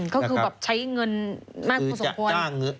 ก็คือแบบใช้เงินมากพอสมควร